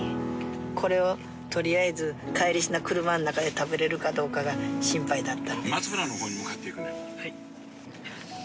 これを取りあえず帰りしな車ん中で食べれるかどうかが心配だったんです。